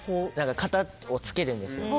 型を付けるんです。